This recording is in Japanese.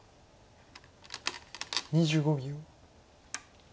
２５秒。